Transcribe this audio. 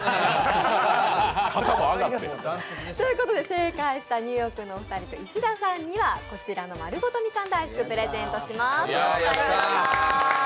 正解したニューヨークのお二人と石田さんにはこちらのまるごとみかん大福をプレゼントします。